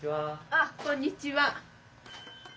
あっこんにちは。